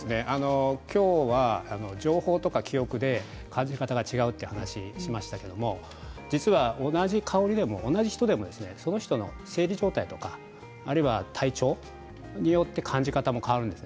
今日は情報とか記憶で感じ方が違うという話をしましたけど実は同じ香りでも同じ人でもその人の生理状態とかあるいは体調によって感じ方も変わるんです。